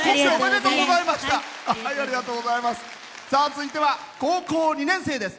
続いては高校２年生です。